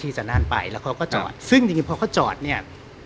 สนั่นไปแล้วเขาก็จอดซึ่งจริงพอเขาจอดเนี่ย